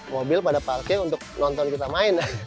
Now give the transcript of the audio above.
mobil pada parkir untuk nonton kita main